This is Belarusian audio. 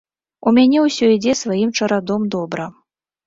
У мяне ўсё ідзе сваім чарадом добра.